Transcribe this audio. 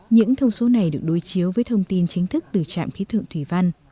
những thông số này được đối chiếu với thông tin chính thức từ trạm khí tượng thủy văn